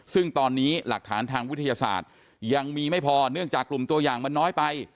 ซึ่งตอนนี้หลักฐานทางวิทยาศาสตร์ยังมีไม่พอเนื่องจากกลุ่มตัวอย่างมันน้อยไป